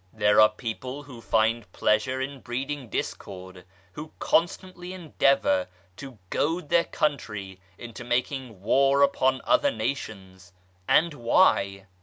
There are people who find pleasure in breeding discord, who constantly endeavour to goad their country into making war upon other nations and why